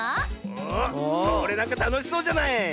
おそれなんかたのしそうじゃない？